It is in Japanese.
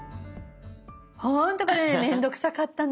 ほんとこれ面倒くさかったの。